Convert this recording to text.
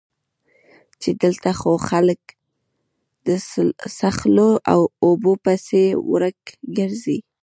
چې دلته خو خلک د څښلو اوبو پسې ورک ګرځي